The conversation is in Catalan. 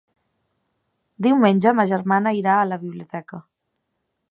Diumenge ma germana irà a la biblioteca.